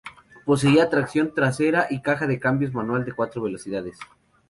Poseía tracción trasera y caja de cambios manual de cuatro velocidades.